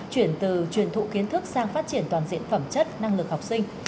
chuyển từ truyền thụ kiến thức sang phát triển toàn diện phẩm chất năng lực học sinh